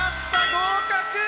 合格！